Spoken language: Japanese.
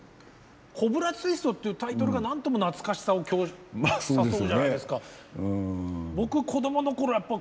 「コブラツイスト」っていうタイトルが何とも懐かしさを誘うじゃないですか。